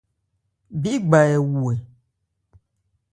Bí gba ɛ wu ɛ ?